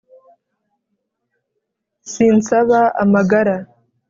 Sinsaba amagara